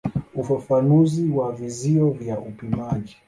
Ufafanuzi wa vizio vya upimaji.